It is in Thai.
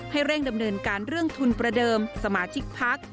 ให้เร่งดำเนินการเรื่องทุนประเดิมสมาชิกพัก